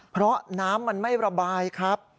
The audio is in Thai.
เพราะน้ำมันไม่ระบายครับ